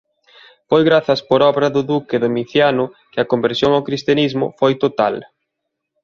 Foi grazas por obra do duque Domiciano que a conversión ao Cristianismo foi total.